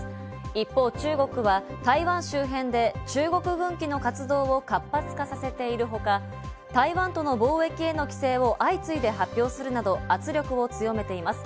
一方、中国は台湾周辺で中国軍機の活動を活発化させているほか、台湾との貿易への規制を相次いで発表するなど圧力を強めています。